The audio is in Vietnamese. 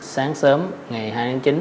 sáng sớm ngày hai tháng chín